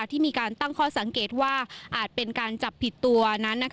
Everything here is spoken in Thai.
ที่มีการตั้งข้อสังเกตว่าอาจเป็นการจับผิดตัวนั้น